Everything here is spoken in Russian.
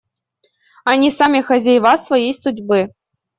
Они сами хозяева своей судьбы.